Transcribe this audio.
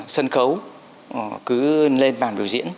sân khấu cứ lên bàn biểu diễn